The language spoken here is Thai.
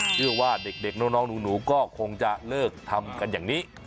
เชื่อว่าเด็กน้องหนูก็คงจะเลิกทำกันอย่างนี้